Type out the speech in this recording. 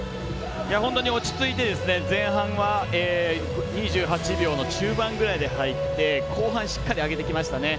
落ち着いて前半は２８秒の中盤ぐらいから入って後半しっかり上げてきましたね。